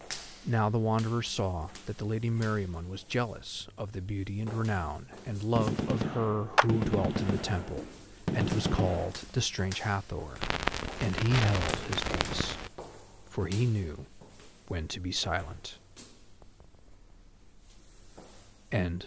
Now the Wanderer saw that the Lady Meriamun was jealous of the beauty and renown and love of her who dwelt in the temple, and was called the Strange Hathor, and he held his peace, for he knew when to be silent.